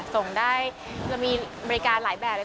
ส่งได้จะมีบริการหลายแบบเลย